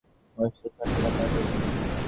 অসীম মাল্টিভার্সে, প্রতিটা অসুস্থতার নিরাময় রয়েছে।